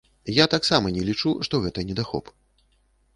Я таксама не лічу, што гэта недахоп.